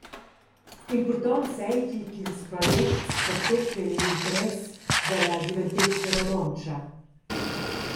Impurtont seigi ch’ils projects pertuchien igl interess dalla giuventetgna romontscha.